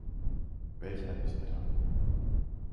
Welch ein Mistwetter!